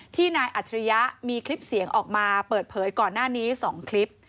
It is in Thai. นายอัจฉริยะมีคลิปเสียงออกมาเปิดเผยก่อนหน้านี้๒คลิป